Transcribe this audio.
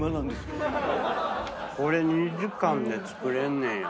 これ２時間で作れんねんや。